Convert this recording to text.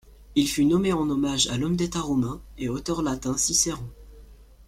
Il fut nommé en hommage à l'homme d'État romain et auteur latin Cicéron.